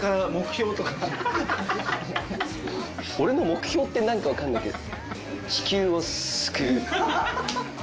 俺の目標って何か分かんないけど。